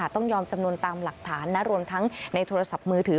ต้องยอมจำนวนตามหลักฐานนะรวมทั้งในโทรศัพท์มือถือ